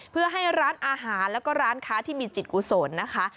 เพื่อให้ร้านอาหารแล้วก็ร้านค้าที่มีจิตกุศลนะคะ